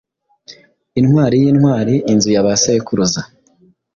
Intwari yintwari inzu ya ba sekuruza